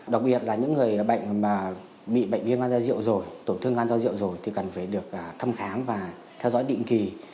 đặc biệt là những người bệnh bị bệnh ghiêng gan do rượu rồi tổn thương gan do rượu rồi thì cần phải được thăm khám và theo dõi định kỳ